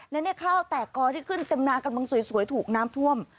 และข้าวแตกกอที่ขึ้นเต็มนากำลังสวยถูกน้ำท่วม